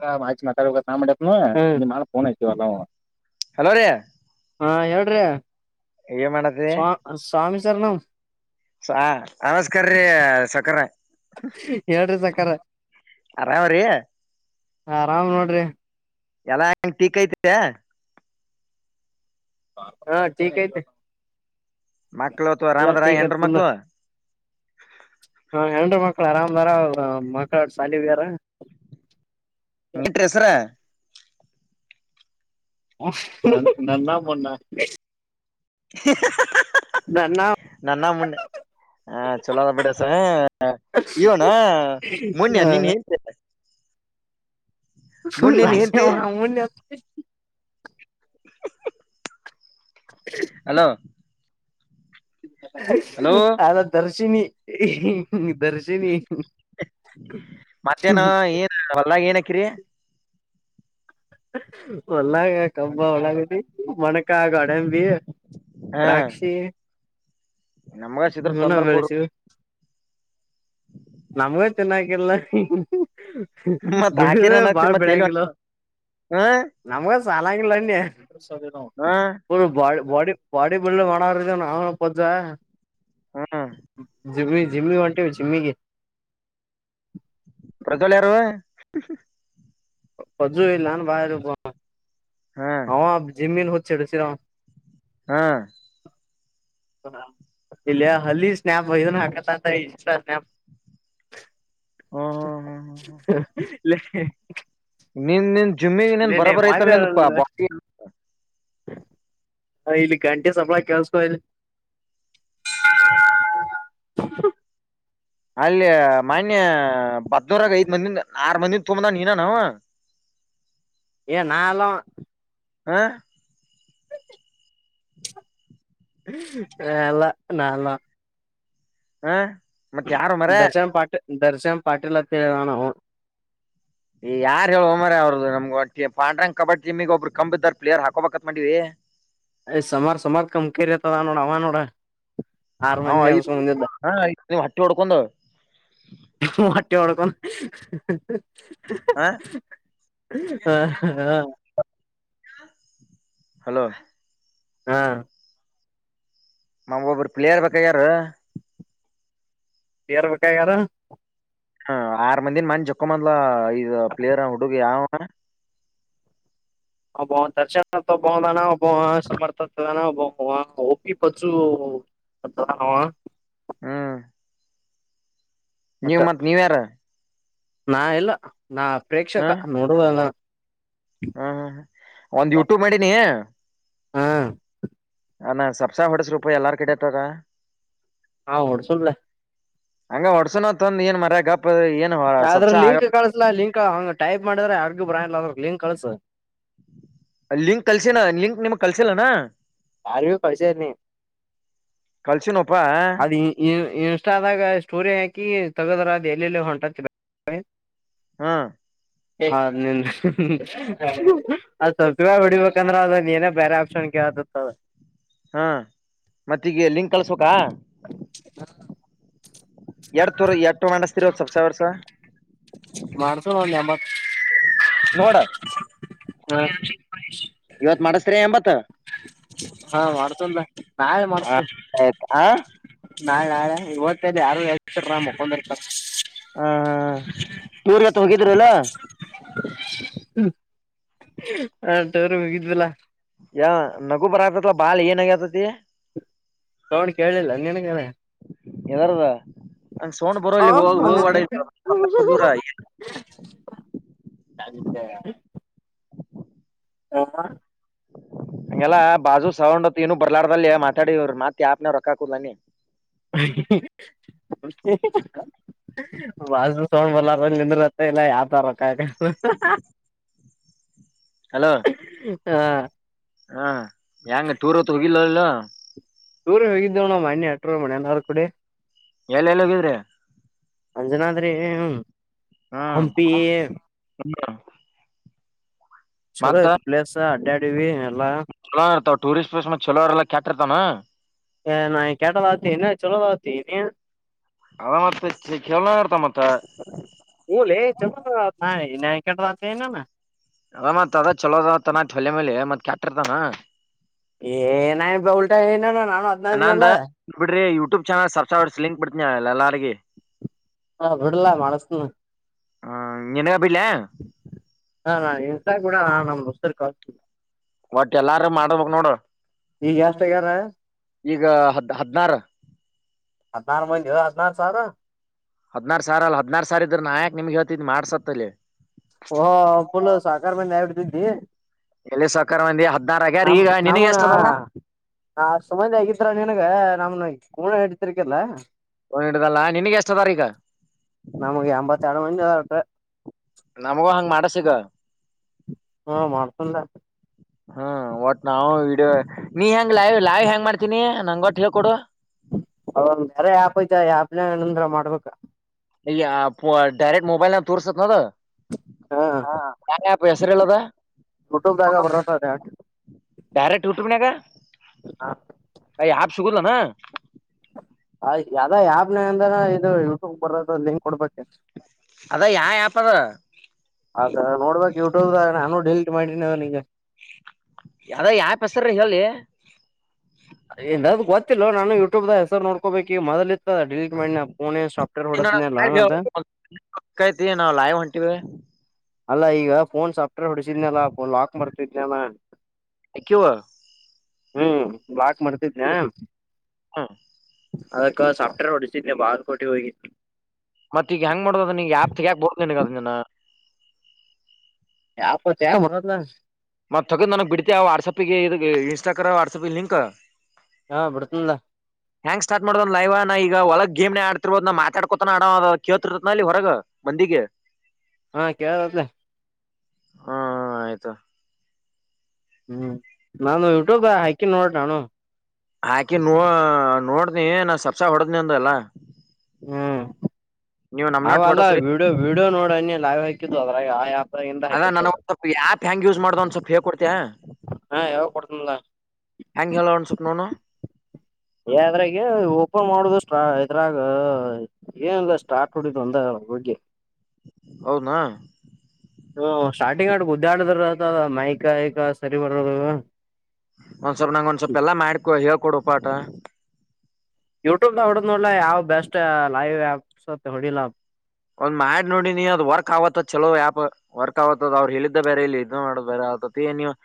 ಮಾ ಮಕ ಬ ನಾಮ ನ ಮ ಮನೇಲಿ ಆತ ಅ ಹಲೋ ರೀ ಹಾ ಹೇಳ್ರಿ ಏನ್ ಸ್ವಾ ಸ್ವಾಮಿ ಸಾರಿನ್ನಂ ಆಮಸ್ಕಾರರ್ರೀ ಸಕರ ಹೇಳ್ರಿ ಸಕಾರ ಅರಾಮ ರ ಆರಾಮ್ ನೋಡ್ರಿ ಎಲ್ಲಾ ಹೆಂಗ ಟೀಕ್ಐತಿದೆ ಹಾ ಕಐತೆ ಮಕ್ಳು ಅಥವಾ ಅಲ್ಲ ಆರಾಮದಾರ ಹೆಂಡ್ರ ಪು ಮಕ್ಳು ಹಾ ಎ್ರ ಮಕ್ಕಳ ಆರಾಮದರ ಮಕ್ಕಳ ಶಾಲಿ ಬಾರ ಬಿಟ್ರ ಹೆಸರಾ ಹ ನನ್ನ ಮ್ಣೆ ಹ ನನ್ನ ನನ್ನ ಮುಣ್ಣೆ ಹಾ ಚಲೋದ ಬಿಡಸ ಇವಣ ಮುನ್ಯ ನೀನ್ ಹೇಳ್ತ ಸ ಮುನ್ ನಿನ್ ಬತ ಹೆಂಡ್ತಿ [unintelligible] ಹಲೋ ಹಲೋ ಅದ ದರ್ಶಿನಿ ದರ್ಶಿನಿ ಮಧ್ಯಾಹ್ನ ಏನ್ ಹೊಲ್ಲಾಗ ಏನಕ್ಕಿರಿ ಹೊಳ್ಳಾಗ ಕಂಬ ಒಳಗ ಮೊಣಕ ಆಗ ಒಡಂಬಿ ಹಾ ದ್ರಾಕ್ಷಿ ನಮ್ಗ ಸಿದ್ರ ಮನ್ನ ತೊಂದ್ರ ಬೆಳೆಸ ಕೊಡ್ರಿ ನಮ್ಗೂ ತಿನ್ನಕಿಲ್ಲ ಮತ್ ಬಿಳ ಹಾಕಿರ ಅನ್ನತ್ತೀರಿ ಬಾಳ ಮತ್ ಎಲ್ಲಿ ಬಿಳಾಯಂಗಲ ಹೊಂಟ ಹಾ ನಮಗೆ ಸಲಂಗಿಲ್ಲ ಹಾ ಬ ಬಡಿ ಬ ಅ ಬಳ್ಳ ಮಾಡ ನಾವ ಹ್ಮ್ ಜಿಮಿ ಜಿಮಿಟ ಜಿಮಿಗೆ ಪ್ರಜ್ವಲ್ ಯಾರ ಪ್ರಜು ಇಲ್ಲಾನ ಬಯಕ ಹಾ ಜಿಮನ್ ಹ ಸರ ಹಾ ಹ ಇಲ್ಲಿ ಅಲ್ಲಿ ಸ್ನ್ಯಾಪ್ ಐನ್ ಹಾಕತ್ತ ಇನ್ಸ್ಟಾ ಸ್ಯಪ್ [inaudible] ಹ್ಮ್ ಹ್ಮ್ [inaudible] ನೀನ್ ನಿನ್ ಜಿಮ್ಮಿಗೆ ನೀನ್ ಲೇಲೇ ಬರೋಬರ ಐತಲ್ ನಿನ್ ಬಾ ಹ ಇಲ್ಲಿ ಗಂಟೆ ಸಬಳ ಕೆಲ್ಸಕ ಇಲ್ಲಿ [inaudible] ಅಲ್ಲಿ ಮಾನ್ಯ ಬದೋರಾಗ ಐದ್ ಮಂದಿನ್ ಆರ್ ಮಂದಿಂದ ತುಂಬದ ನೀನಾನ ಏ ನಾಲೂ ಹ ಹ [inaudible] ನಲ್ಲ ನಲ್ಲಾ ಹ ಮತ್ತ ಯಾರು ಮರ ದರ್ಶನನ್ ಪಾಟಿಲ್ಲತ ನಾಣೋ ಯಾರ್ ಹೇಳ ಒಮರ ಅವ್ರದದು ನಮ್ ಪಾಡ್ರಂಗ ಕಡ್ಡಿ ಟಮಿಗೆ ಒಬ್ರು ಕಂಬ ದರ್ ಪ್ಲೇಯರ್ ಹಾಕೋಬೇಕತ್ ಮಾಡೀವಿ ಯ್ ಸಮಾರ ಸಮಾರ ಕಮಕರಿತದ ನೋಡ ಅವ ನೋಡ ಆರ್ ಹ ಮಂದಿನ ಐದ ಎಬ್ಸ್ಕೊಂಡ್ ಬಂದಿದ್ದ ಹ ಐ ಹಟ್ಟಿ ಹೊಡ್ಕೊಂಡ ಮಟ್ಟಿ ಒಡಕನ್ ಹ ಹಾ ಹಾ ಹಲೋ ಹಾ ಮಮ್ ಒಬ್ಬರು ಪ್ಲೇಯರ್ ಬೇಕ ಯಾರ ಯರ್ ಬೇಕಆಗ್ಯರ ಹ ಆರ್ ಮಂದಿನ್ ಮನ್ ಜಕ್ಕೊಂಬದಲಾ ಐದ ಪ್ಲೇರ್ ಹುಡುಗಿ ಯಾವ ಹ ಹಬ ದರ್ಶನ ಬುದಾನಬ್ಬ ಸಮರ್ಥಬ ಒಪ್ಪಿ ಪು ಅ ಹ ಹ್ಮ್ ಮತ್ತ ನೀವ್ ಮತ್ ನೀವ್ ಯಾರ ನಾ ಎಲ್ಲ ನಾ ಪ್ರೇಕ್ಷಕ ನೋಡುವಲ್ಲ ಹ್ಮ್ ಹ್ಮ್ ಹ ಒಂದ್ ಯೂಟ್ಯೂಬ್ ಮಾಡ ನೀಿ ಹಾ ಅ ನ ಸಪ್ಸಾ ಹೊಡಸ ರೂಪ ಎಲ್ಲಾರ್ ಕಡೆ ತಾಗ ಹಾ ಹೊಡಸನ್ನಲ್ ಹಂಗ ಹೊಡ್ಸುನತ್ ಒಂದ ಏನ್ ಮರ್ಯಗಪ್ಪ ಆದ್ರ ಲಿಂಕ್ ಕಳಿಸಲಾ ಲಿಂಕ್ ಹಂಗ ಟೈಪ್ ಮಾಡಿದ್ರೆ ಅಗ್ಗ ಬ್ರಲ್ಲ್ರ ಇಂಕ ಕಳಸ ಲಿಂಕ್ ಕಲ್ಸನಾ ಲಿಂಕ್ ನಿಮಗ್ ಕಲ್ಸಿಲ್ಲನಾ ಹಾರಿ ಕಸ ನೀ ಕಲ್ಸಿನಪ್ಪಾ ಅದ್ ಇನ್ಸ್ಟಾದಾಗ ಸ್ಟೋರಿ ಹಾಕಿ ತಗೋದ್ರ ಅದು ಎಲ್ಲೆಲ್ಲಿ ಹೊಂಟ ಹ್ಮ ಹ ನಿನ್ ಅದ್ ಸ್ವಲ್ಪ ಹೊಡಿಬೇಕಂದ್ರೆ ಅದ ನೀಏನೇ ಬೇರೆ ಆಪ್ಷನ್ಗೆ ಆತ ಹಕಳ್ ಹಾ ಮತ್ತ ಈಗ ಲಿಂಕ್ ಕಲ್ಸ್ಬೇಕಕ ಎರ ತೂರ್ ಎರ ಮಾಡಸ್ತಿರದ ಸಪ್ಸ ವರ್ಸ ಮಾಡ್ಸ ನ ನಮ್ಮ ನೋಡ ಇವತ್ ಮಾಡಸ್್ರೀ ಎಂಬತ್ ಹಾ ಮಾಡ್ತಂದ ನಾವೇ ಮಾಡಸ್ತೇ ಆ ನಾಳೆ ನಾಳೆ ಇವತ್ತ ಯಾರು ಹೇಳ್ತ ಮುಕೊಂಡ ಇರ್ತ ಟೂರ್ ಇವತ್ ಹೋಗಿದ್ರಲ್ಲ ಆಟವರು ಹೋಗಿದ್ವಲ್ಲಾ ಯ ನಗು ಬರಪ್ಪತ್ ಬಾಲ ಏನಗತತಿ ತೌಣ ಕೇಳಿಲ್ಲ ನನ್ಗಣ ಎದರದ ಹಂಗ ಸೌಂಡ್ ಬರೋ ಇಲ್ಲಿ ಹೋಗ್ ಹೋಹೋ ಹೋಗ್ಡ [unintelligible] ಹ ಹಗೆಲ್ಲಾ ಬಾಜು ಸವಂಡ್ತ್ ನು ಬರ್ಲಾಡ್ದಲ್ಲಿ ಮಾತಾಡವರು ಮತ್ತ ಆಪ್ನ್ ರೊಕ್ಕಾಕುದ್ ನಾನಿ [inaudible] ಬಸ್ು ಸೋೊಂಡ್ ಬಲ್ಲಾರಂದತ್ತ ಇಲ್ಲ ಯಾವತಾರಕ್ಕ ಹಲೋ ಹ್ಮ್ಮ್ ಹಾ ಹೆಂಗ ಟೂರ್ ಹೊತ್ತು ಹೋಗಿಲ್ಲಲ್ಲ ೂರ ಹೋಗಿದ್ದೆವಣಮ್ಮ ಅಣ್ಣೆ ಎಟರೂ ಮನನಾದ ಕೂಡೆ ಎಲ್ಲ ಎಲ್ಲಿ ಹೋಗಿದ್ರೆ ಅಂಜನಾದ್ರಿ ಹ್ಮ್ ಹಂಪಿ [inaudible] ಚೊಲೋ ಮತ್ತ ಇತ್ತ ಪ್ಲೇಸ ಅದ್ಯದಿವಿ ಚಲೋ ಇರ್ತವ ಟೂರಿಸ್ಟ್ ಪ್ಲೇಸ್ ಮತ್ ಚಲೋರೆಲ್ಲ ಕ್ಯಾಟಿರ್ತವ ನಾ ಕೇಟ್ಟ ವಾದತೆನ್ನ ಚಲ್ಲ ವಾದತೆೆ ನೀ ಅದ ಮತ್ ಕೇಳೋ ಇರ್ತ ಮತ್ತ [unintelligible] [inaudible] ಬಲ ಜಮದ ಹಾಯ [unintelligible] ಅ ಮತ್ ಅದ ಚಲೋದತನ ಹೊಲಿ ಮೊಲಿ ಮತ್ ಕ್ಯಾಟರ್ತಾನ ಏನಾನಪ್ಪೆನ ಉಲ್ಟಾ ಹೇಳಿನನ ನಾ ಅಂದ ಬಿಡ್ರಿ ಯೂಟ್ಯೂಬ್ ಚಾನಲ್ ಸಬ್ಸಕ್ರೈಬರ್ಸ್ ಲಿಂಕ್ ಬಿಡ್ತನಿ ಎಲ್ಲರಿಗಿ ಹಾ ಬಿಡ್ಲೆ ಮಾಡಸ್ತಿನಿ ಹ್ಮ್ ನಿನಗ ಬಿಡ್ಲೆ ಹಾ ನಾನ್ ಇರಲಾಕ ಬೀಡಣ್ಣಾ ನಮ್ಮ ದೋಸ್ತರಿಗ್ ಕಳಸ್ತಿನಿ ಒಟ್ಟ ಎಲ್ಲಾರು ಮಾಡಬೇಕ್ ನೋಡು ಈಗ ಎಷ್ಟ ಆಗ್ಯರ ಈಗ ಹದ್ ಹದ್ನಾರ ಹದಿನಾರ ಮಂದಿಯೊ ಹದಿನಾರ ಸಾವಿರ ಹದನಾರ ಸಾವಿರಾಲ್ಲ ಹದನಾರ ಸಾವಿರ ಇದ್ರ ನಾ ಯಾಕ ನಿಮಗ ಹಳ್ತಿದ್ ಮಾಡ್ಸತಲ್ಲಿ ಓ ಪುಲ ಸಾಹುಕಾರ ಮಂದಿ ಆಗಿಬಿಡತಿದ್ದೀ ಎಲ್ಲಿ ಸಹುಕಾರ ಮಂದಿ ಹದ್ನಾರ ಆಗ್ಯಾರ ಈಗ ನಿನಗ ಎಷ್ಟದರ ಅಷ್ಟ ಮಂದಿ ಆಗಿದ್ರ ನಿನ್ಗ ನಮ್ನ ಕೊನ ಇಡ್ತಿರ್ಕಿಲ್ಲಾ ಕೊನ ಹಿಡದಲ್ಲ ನಿನಗ ಎಷ್ಟ ಅದರ ಈಗ ನಮ್ಗೆ ಎಂಬತ್ತೆರಡು ಮಂದಿ [unintelligible] ನಮಗು ಹಂಗ್ ಮಾಡಸಿಗ ಹಾ ಮಾಡಸಮ್ಮ ಲೇ ಹ್ಮ್ ಒಟ್ ನಾವು ವಿಡಿಯ ನೀ ಹೆಂಗ್ ಲೈವ್ ಲೈವ್ ಹೆಂಗ್ ಮಾಡ್ತೀನಿ ನಂಗ ಒಟ್ ಹೇಳ್ ಕೊಡು ಅದು ಒಂದ್ ಕಾರ್ಯ ಆಪ್ ಐತಿ ಆಪನಾಗಿಂದ್ರ ಮಾಡ್ಬೇಕ ಡೈರೆಕ್ಟ್ ಮೊಬೈಲ್ ನಾಗ ತೋರಿಸತ ಅದು ಹಾ ಹ ಯಾವ ಆಪ್ಪು ಹೆಸರ ಹೇಳದು ಯೂಟ್ಯೂಬ್ದಾಗ ಬರತ್ತ ಅದ ಬ್ಯಾರೆ ಟೂರ್ [inaudible] ಆ ಶುಗಲ್ಲ ನ ಅಲ್ಲಿ ಆ್ಯಪ್ನಗ ಅಂದ್ರ ಇದು ಯೂಟ್ಯೂಬ ಬರೋದು ಲಿಂಕ್ ಕೊಡ್ಬೇಕ ಅದ ಯಾ ಆಪ್ ಅದ ಅದ ನೋಡ್ಬೇಕು ಯೂಟ್ಯೂಬದಾಗ ನಾನು ಡಿಲೀಟ್ ಮಾಡೀನಿ ಅವನಿಗ ಯದ ಆಫ್ ಹೆಸರ ಹೇಳಲೇ ಎ ನನಗು ಗೊತ್ತಿಲ್ಲೊ ನಾನು ಯೂಟ್ಯೂಬದಾಗ ಹೆಸರ ನೋಡ್ಕೋಬೇಕ ಈಗ ಮೊದಲ ಇತ್ತ ಡಿಲಿಟ್ ಮಾಡಿನಾ ಪೋನಿಗ ಸೊಫ್ಟವೇರ್ ಹೊಡದನಲ್ಲಾ ಅಂತ ಅಕ್ಕೈತಿ ನಾವು ಲೈವ್ ಹೊಂಟಿವಿ ಅಲ್ಲಾ ಈಗ ಫೋನ್ ಸಾಫ್ಟ್ವೇರ್ ಹೊಡಸಿದ್ನಲ್ಲ ಫೋನ್ ಲಾಕ್ ಮಾಡ್ತತೈತೆನ ಹವ [unintelligible] ಹ್ಮ್ ಲಾಕ್ ಮರ್ತಿದ್ನಾ ಹ್ಮ್ ಅದಕ್ಕ ಸಾಫ್ಟ್ವೇರ್ ಓಡಿಸಿದೆ ಬಾಗಲುಕೋಟಿ ಹೋಗಿ ಮತ್ತ ಈಗ ಹೆಂಗ ಮಾಡುದು ಅದು ನಿಗ ಆಫ್ ತೆಗ್ಯಾಕ ಬೋದನಿನಗ ಅದ ನಿನ್ನ ೋ ತ ಮನತ್ ನ [unintelligible] ಮತ್ತ ತಗದ ನನಗ್ ಬಿಡ್ತತಿ ಆ ವಾಟ್ಸಾಪ್ಗೆ ಇ ಇನ್ಸ್ಟಾಗ್ರ ವಾಟ್ಸಾಪ್ ಲಿಂಕ್ ಹಾ ಬುಡ್ತಿನಲ್ಲ ಯಾಂಗ ಸ್ಟಾರ್ಟ ಮಾಡೋದ್ ಲೈವ್ ನಾ ಈಗ ಒಳಗ್ ಗೇಮನ್ಯಾಗ ಆಡ್ತಿರ್ಬೋದ ನಿ ಮಾತಾಕೋತ ನೆ ಆಡೋವ ಅದ ಕೇಳ್ತಿತರನ ಹೊರಗ್ ಮಂದಿಗೆ ಹಾ ಕೇಳದಲ ಹ್ಮ್ ಹ್ಮ್ ಆಯ್ತೊ ಹ್ಮ್ ನಂದ ಯೂಟ್ಯೂಬ್ ಹಾಕಿನ ನೋಡ ನಾನು ಆಕಿ ನೋ ನೋಡನಿ ನಾ ಸಪ್ಸಾ ಹೊಡದ್ನಿ ಅಂದಲ್ಲ ಹ್ಮ್ ಅವಲ್ಲ ಹೊಡಸ್ರಿ ವಿಡಿಯೋ ವಿಡಿಯೋ ನೋಡನಿ ಲೈವ್ ಹಾಕಿದ್ದು ಅದ್ರಾಗ ಆ ಆಪ್ ಅದ ನನಗ ಒಂದ ಸ್ವಲ್ಪ ಆಫ್ ಹೆಂಗ ಯೂಸ್ ಮಾಡೋದು ಒಂದು ಸ್ವಲ್ಪ ಹೇಳ ಕೊಡ್ತೀಯಾ ಹಾ ಯಾವಾಗ ಕೊಡ್ತನಲ್ಲ ಹೆಂಗ ಹೇಳ ಸ್ವಲ್ಪ ನೋಡನು ಅದ್ರಾಗ ಓಪನ್ ಮಾಡುದು ಸ್ಟ ಇದ್ರಾಗ ಏನ್ ಸ್ಟಾರ್ಟ್ ಒಡಿದ ಒಂದ ಓಕೆ ಹೌದ್ನಾ. ಹ ಸ್ಟಾರ್ಟಿಂಗ್ ಆ ಉುದ್ದಾಡಿದ್ರ ಅತದ ಮೈಕಕ ಸರಿ ಬ ಒಂದ್ ಸ್ವಲ್ಪ ನಂಗ್ ಸ್ವಲ್ಪ ಎಲ್ಲಾ ಮಾಡ್ಕೊಡು ಹೇಳ್ಕೊಡು ಪಾಠ. ಯೂಟ್ಯೂಬ್ ನ ಹೊಡದ್ ನೋಡ್ಲ ಯಾವ್ ಬೆಸ್ಟ್ ಲೈವ್ ಆಪ್ಸ್ ಅಂತ ಹೊಡಿಲ. ಒಂದ್ ಮಾಡಿ ನೋಡಿ ನೀ ಅದು ವರ್ಕ್ ಆವತ್ ಚಲೋ ಆ್ಯಪ್ ವರ್ಕ್ ಆತ್ತದ ಅವರು ಹೇಳಿದ್ದ ಬೇರೆ ಇಲ್ಲಿ ಇದ್ನ ಮಾಡ ಬೇಗ. [unintelligible]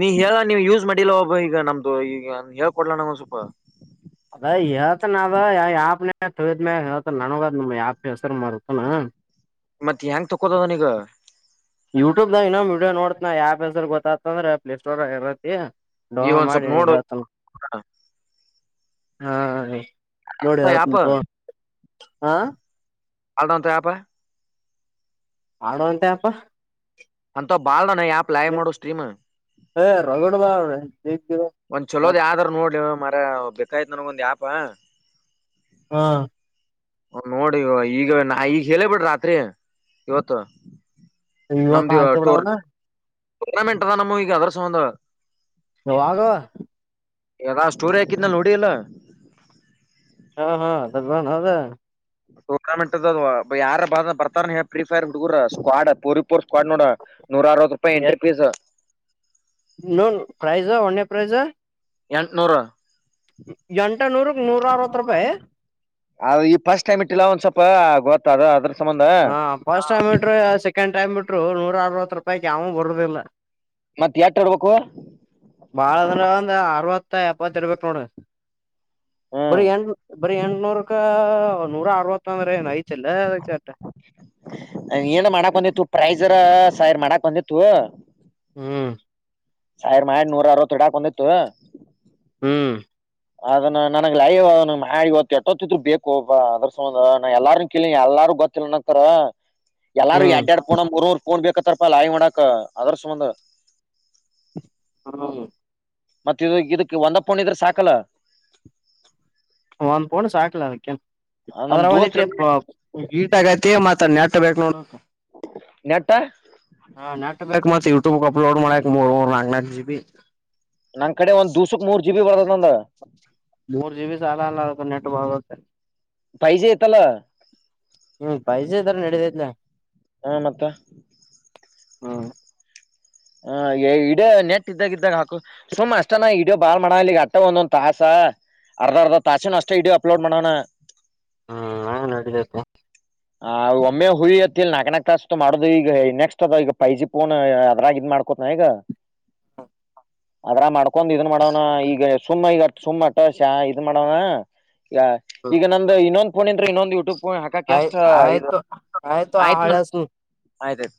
ನೀ ಹೇಳ ನೀ ಯೂಸ್ ಮಾಡಿಲ್ಲ ಒಬ್ಬ ಈಗ ನಮ್ದು ಈಗ ಹೇಳ್ಕೊಡ್ಲ ನಂಗೊಂದ್ ಸ್ವಲ್ಪ ಅದ ಹೇಳ್ತನದ ಯಾಪ್ನ ತಯಿದ್ಮ್ಯ ಹೇಳ್ತ ನನಗದ ನಮ ಯಾಪ್ ಹೆಸರು ಮಾರತಾನ ಮತ್ತ ಹೆಂಗ್ ತಕೋದದನ ಈಗ. ಯೂಟ್ಯೂಬ್ ದಾಗ ಇನ್ನೊಂದ್ ವಿಡಿಯೋ ನೋಡತ್ನ ಯಾಪ್ ಹೆಸರು ಗೊತ್ತಂದ್ರೆ ಪ್ಲೇ ಸ್ಟೋರಾಗ್ ಇರತ್ತತಿ. ಡೋಮ ಈಗ ಒಂದ್ ಮಾಡಡಿಿ ಸ್ವಲ್ಪ ನನಗೆ ನೋಡು ಹತನ ಹಾ ನೋಡಿ ಆ್ಯಪ್ ಹೇಳ್ತಿನಿ ತಗೊ ಆ. ಅಲ್ಡಂತ ಯಪ ಆಡೋಂಟೇ ಅಪ್ಪ ಅಂತ ಬಾಲ್ದನ ಆ್ಯಪ್ ಲೈವ್ ಮಾಡು ಸ್ಟ್ರೀಮ್ ಹ ರಗಡ ಬ ರ ಒಂದ್ ಚಲೋದ್ ಯಾವದರ ನೋಡ್ ಹೇಳೋ ಮರಾಯ ಬೇಕಾಯ್ತ್ ನನ್ಗ್ ಒಂದ್ ಯಪ. ಹಾ. ಅವ್ರ್ ನೋಡಿ ಈಗ ನಾ ಈಗ ಹೇಳೇ ಬಿಡ್ರಿ ರಾತ್ರಿ ಇವತ್ತು. ವಿವಾ ತ ಹಾರಕ ಬಡಾವಣ ಟೂರ್ನಾಮೆಂಟದ ನಮ್ಮವ್ ಈಗ ಅದರ ಸಂಬಂಧ. [unintelligible] ಯದ ಸ್ಟೋರಿ ಹಾಕಿದ್ನ ನೋಡಿ ಅಲ್ಲ. ಹಾ ಹಾ ಅದ ಟೂರ್ನಾಮೆಂಟ್ ಯಾರ ಭ ಬರ್ತಾರ ಫ್ರೀ ಫೈರ್ ಬಿರ ಸ್ವಾಡ್ ಪೂರಿ [unintelligible] ಸ್ಕ್ವಾಡ್ ನೋಡ ನೂರ ಅರವತ್ತು ರೂಪಾಯಿ entry fees. No prize one prize ಎಂಟ್ನೂರು. ಎಂಟನೂರುಕ್ ನೂರ ಅರವತ್ತು ರೂಪಾಯಿ ಅ ಈ ಫಸ್ಟ್ ಟೈಮ್ ಇಟ್ಟಿಲ್ಲ ಒಂದ್ ಸ್ವಲ್ಪ ಗೊತ್ತದು ಅದ್ರ ಸಂಬಂಧ ಹಾ ಫಸ್ಟ್ ಟೈಮ್ ಇಟ್ರು ಸೆಕೆಂಡ್ ಟೈಮ್ ಇಟ್ರು ನೂರ ಅರ್ವತ್ ರೂಪಾಯಿಗ್ ಯಾವ್ನು ಬರುದಿಲ್ಲ. ಮತ್ ಎಟ್ ಇಡ್ಬೇಕು ಬಾಳ ಅ್ರ ಒಂದ ಅರವತ್ತ ಎಪ್ಪತ್ತ ಇಡ್ಬೇಕ ನೋಡ ಹ್ಮ್ ಬರಿ ಎಂ ಬರಿ ಎಂಟನೂರಕ್ಕ ನೂರ ಅರವತ್ತ ಅಂದ್ರ ಏನ್ ಐತಲ್ಲ ಅದಕ್ಕೆ. ನ ಏನ ಮಾಡಾಕ್ ಬಂದಿತ್ತು ಪ್ರೈಜರ ಸಾಯರ್ ಮಾಡಾಕ್ ಬಂದಿತ್ತು ಹ್ಮ್. ಸಾವಿರ ಮಹ ನೂರ ಅರವ ಹಿಡಾಕಂದಿತ್ತು ಹ್ಮ್. ಅದನ್ನ ನನಗ್ ಲೈವ್ ಅದಿ ಇವ ಎಟ್ಟತ್ತ ಇದ್ ಬೇಕು ಅದ್ರ ಸಂಬಂಧ ಎಲ್ಲಾರ ಕೇಳ ಎಲ್ಲಾರ [unintelligible] ಎಲ್ಲಾರು ಹ್ಮ್ ಎಡ್್ಯಾಡ್ ಪೋಣ ಮೂರರ್ ಕೋೊಂಡ್ ಬೇಕತ್ತಾರಪ ಲಾಯಿ ಮಾಡಕ್ ಅದ್ರ ಸುಮಂದ [unintelligible] ಮತ್ತ ಇದು ಇದಕ್ ಒಂದ ಫೋನ್ ಇದ್ರೆ ಸಾಕಲ್ಲ. ಒಂದ್ ಪೌಂಡ್ ಸಾಕ್ಲ ಅದಕ್ಕೆ. ಆ, ನಮ್ ಅದ್ರ ದೋಸ್ತ್ ಒಂದ್ಿಟ್ಟ ಹೀಟ್ ಆಗೈತಿ ಮತ್ತ ನೆಟಬೇಕ್ ನೋ ನೆಟ್ಟ ಹಕ್ ಮತ್ತತ್ ಯೂಟ್ಯೂಬ್ಕ್ ಅಪ್ಲೋಡ್ ಮಾಡ್ಯಾಕ್ ಮೂರ್ ಮೂರು ನಾಂಗನಾ ಜೀಬಿ ನಂಗ್ ಕಡೆ ಒಂದ್ ದೂಸಕ್ ಮೂರ್ ಜಿ ಬಿ ಬರ್ದದ್ ನಂದ. ಮೂರ್ ಜಿ ಬಿ ಸಾಲ ಅಲ್ಲ ಅದಕ್ಕೆ ನೆಟ್ [unintelligible] ಫೈವ್ ಜಿ ಇತಲ್ಲ. ಹ್ಮ್ ಫೈವ್ ಜಿ ಇದ್ರೆ ನಡಿತೈತ್ ಲೇ ಹಾ ಮತ್ತ ಹ್ಮ್. ಹ ಇಡ ನೆಟ್ ಇದ್ದಾಗ ಇದ್ದಾಗ ಹಾಕು ಸುಮ್ ಅಷ್ಟನ ಇಡ ಬಾಳ್ ಮಾಡಲಿ ಅಟ್ಟ ಒಂದೊಂದ್ ತಾಸ ಅರ್ಧ ಅರ್ಧ ತಾಸೆನು ಅಷ್ಟೇ ವಿಡಿಯೋ ಅಪ್ಲೋಡ್ ಮಾಡೋಣ ಹ್ಮ್ ನಾ ನೋಡಬೇಕು ಆ ಒಮ್ಮೆ ಹುರಿ ಅತ್ತಿಲ್ ನಾಕನಕ್ ಕಾಸ್ ಮಾಡೋ ಈಗ ನೆಕ್ಸ್ಟ್ ಅದ್ ಈಗ ಪೈಜಿ ಪೋನ್ ಅದ್ರಾಗ ಇದ್ ಮಾಡು. ಕೊತಾಯಗ ಅದ್ರ ಮಾಡ್ಕೊಂಡ್ ಇದನ್ ಮಾಡವ್ನ ಈಗ ಸುಮ್ಮ್ ಈಗ ಸುಮ್ಮ ಅಟ್ಟಷ ಇದ್ ಮಾಡವ್ನ. ಈ ಈಗ ನಂದು ಇನ್ನೊಂದು ಫೋನ್ ಇದ್ರೆ ಇನ್ನೊಂದು ಯಟ್ಯೂಬ್ ಫೋನ್ ಹಾಕಕ್ ಆಯ್ ಇದು ಆಯ್ತು ಆಯ್ತು ಆಳಾಸ್ ಆಯ್ತಾಯ್ತು.